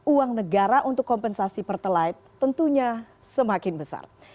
uang negara untuk kompensasi pertelit tentunya semakin besar